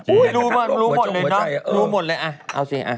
อุ้ยรู้หมดเลยนะรู้หมดเลยเอาสิเอา